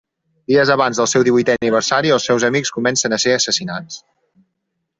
Dies abans del seu divuitè aniversari, els seus amics comencen a ser assassinats.